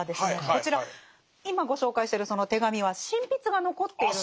こちら今ご紹介してるその手紙は真筆が残っているんですね